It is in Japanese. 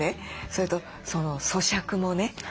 それとそしゃくもね。